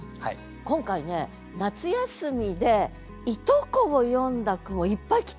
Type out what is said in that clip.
今回ね「夏休」でいとこを詠んだ句もいっぱい来て。